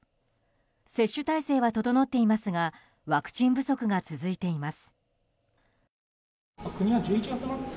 接種体制は整っていますがワクチン不足が続いています。